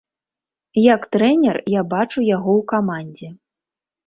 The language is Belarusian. Як трэнер я бачу яго ў камандзе.